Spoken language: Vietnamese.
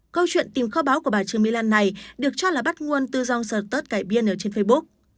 câu chuyện tìm kho báo của bà trương my lan này được cho là bắt nguồn tư dòng sợ tớt cải biên ở trên facebook